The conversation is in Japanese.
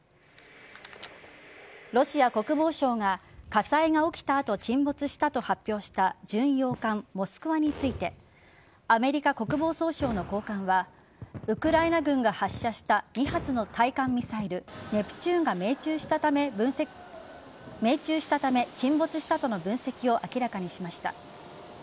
ロシア国防省が火災が起きた後沈没したと発表した巡洋艦「モスクワ」についてアメリカ国防総省の高官はウクライナ軍が発射した２発の対艦ミサイルネプチューンが命中したため沈没したとの分析を明らかにしました。